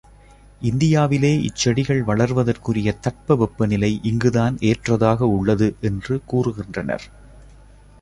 இந்தியாவிலேயே இச்செடிகள் வளர்வதற்குரிய தட்ப வெப்பநிலை இங்கு தான் ஏற்றதாக உள்ளது என்று கூறுகின்றனர்.